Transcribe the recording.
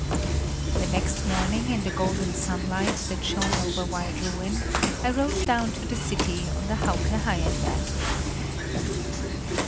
The next morning, in the golden sunlight that shone over wide ruin, I rode down to the city on the Hauke Haien dike.